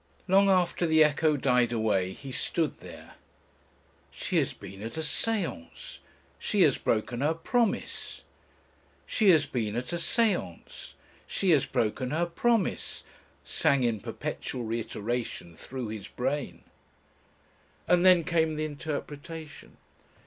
Long after the echo died away he stood there. "She has been at a séance; she has broken her promise. She has been at a séance; she has broken her promise," sang in perpetual reiteration through his brain. And then came the interpretation.